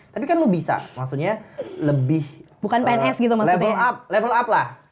tapi kan lo bisa maksudnya lebih level up lah